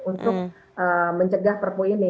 untuk mencegah perpu ini